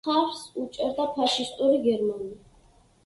მხარს უჭერდა ფაშისტური გერმანია.